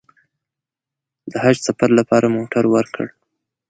د حج سفر لپاره موټر ورکړ.